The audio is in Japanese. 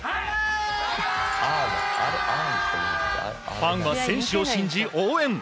ファンは選手を信じ、応援！